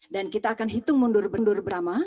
dan kita akan hitung mundur mundur bersama